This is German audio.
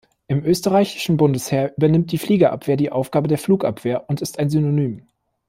Im Österreichischen Bundesheer übernimmt die Fliegerabwehr die Aufgabe der Flugabwehr und ist ein Synonym.